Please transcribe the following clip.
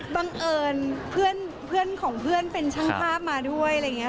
บังเอิญเพื่อนของเพื่อนเป็นช่างภาพมาด้วยอะไรอย่างนี้